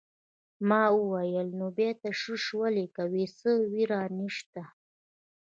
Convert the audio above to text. ما وویل: نو بیا تشویش ولې کوې، څه وېره نشته.